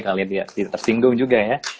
kalian tersinggung juga ya